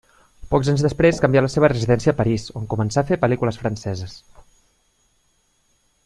Pocs anys després canvià la seva residència a París on començà a fer pel·lícules franceses.